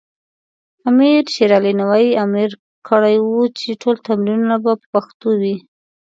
امیر شیر علی خان امر کړی و چې ټول تمرینونه په پښتو وي.